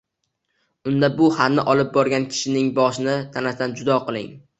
Unda Bu xatni olib borgan kishining boshini tanasidan judo qiling